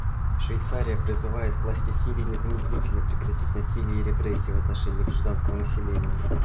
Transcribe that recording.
Швейцария призывает власти Сирии незамедлительно прекратить насилие и репрессии в отношении гражданского населения.